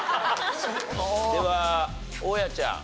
では大家ちゃん。